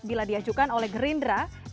bila diajukan oleh green dragon